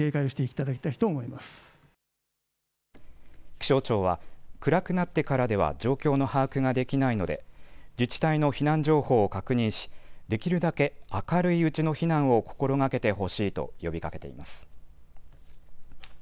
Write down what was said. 気象庁は、暗くなってからでは状況の把握ができないので自治体の避難情報を確認しできるだけ明るいうちの避難を心がけてほしいと呼びかけています。